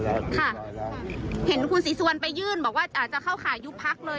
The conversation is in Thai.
แค่เห็นครูกรสี่สวรไปยืนแบ่วว่าจะเข้ายุทธิ์พักเลย